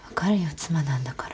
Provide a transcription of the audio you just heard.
妻なんだから。